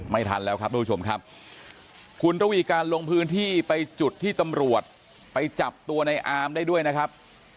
ไม่ทันแล้วครับทุกผู้ชมครับคุณระวีการลงพื้นที่ไปจุดที่ตำรวจไปจับตัวในอามได้ด้วยนะครับ